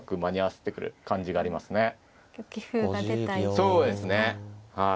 そうですねはい。